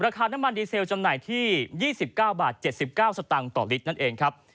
ราคาน้ำมันดีเซลจำหน่ายที่๒๙บาท๗๙สตางค์ต่อลิตรนั่นเองครับ